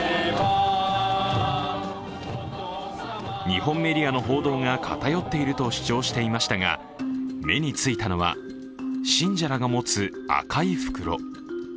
日本メディアの報道が偏っていると主張していましたが、目についたのは、信者らが持つ赤い袋。